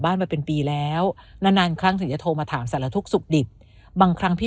มาเป็นปีแล้วนานนานครั้งถึงจะโทรมาถามสารทุกข์สุขดิบบางครั้งพี่